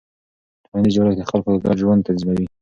ټولنیز جوړښت د خلکو ګډ ژوند تنظیموي.